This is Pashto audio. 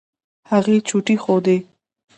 هغې چوټې ښودې.